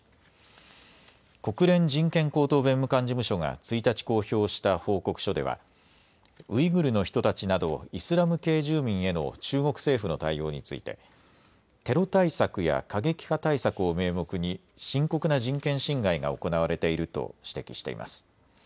国連人権高等弁務官事務所が１日公表した報告書ではウイグルの人たちなどイスラム系住民への中国政府の対応についてテロ対策や過激派対策を名目に深刻な人権侵害が行われていると指摘しています。